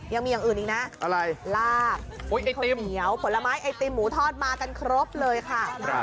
ยังมีอย่างอื่นอีกนะลาบขนเงียวผลไม้ไอติมหมูทอดมากันครบเลยค่ะ